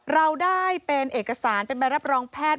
เราได้เป็นเอกสารเป็นใบรับรองแพทย์